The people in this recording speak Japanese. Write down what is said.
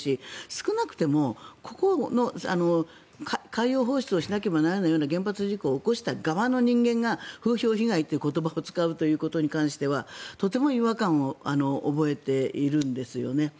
少なくともこの海洋放出をしなければならないような原発事故を起こした側の人間が風評被害という言葉を使うということに関してはとても違和感を覚えているんですね。